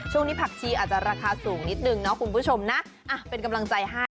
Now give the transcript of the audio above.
ผักชีอาจจะราคาสูงนิดนึงเนาะคุณผู้ชมนะเป็นกำลังใจให้